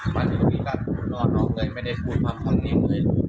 มาถึงตรงนี้ก็นอนออกเลยไม่ได้พูดความพังนิ่มเลย